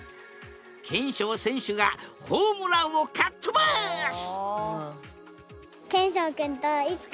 けんしょう選手がホームランをかっ飛ばす！